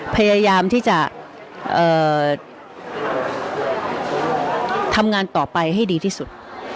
พยายามที่จะทำงานต่อไปให้ดีที่สุด